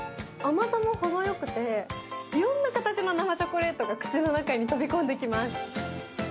甘さも程よくて、いろんな形の生チョコレートが口の中に飛び込んできます。